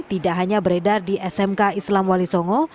tidak hanya beredar di smk islam wali songo